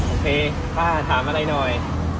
โอเคป้าถามอะไรหน่อย